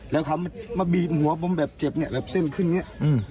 แล้วเขามาบีบหัวผมแบบเจ็บเนี่ยแบบเส้นขึ้นอย่างนี้